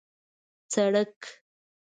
سړک